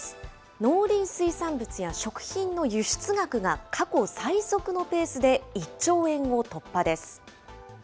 農林水産物や食品の輸出額が、過去最速のペースで１兆円を突破です。